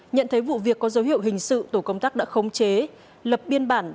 nhận thấy vụ việc có dấu hiệu hình sự tổ công tác đã khống chế lập biên bản